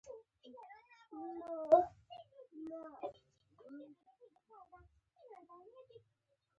د زراعت پرمختګ له اوبو مدیریت سره نږدې اړیکه لري.